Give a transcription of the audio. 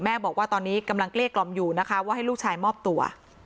บอกว่าตอนนี้กำลังเกลี้ยกล่อมอยู่นะคะว่าให้ลูกชายมอบตัว